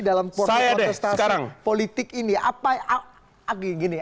dalam kontestasi politik ini